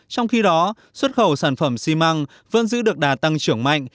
trong khi đó xuất khẩu sản phẩm xi măng vẫn giữ được đà tăng trưởng mạnh